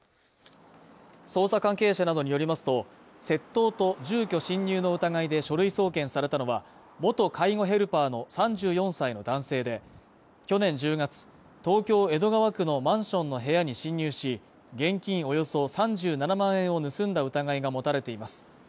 捜査関係者などによりますと、窃盗と住居侵入の疑いで書類送検されたのは、元介護ヘルパーの３４歳の男性で、去年１０月、東京江戸川区のマンションの部屋に侵入し、現金およそ３７万円を盗んだ疑いが持たれています。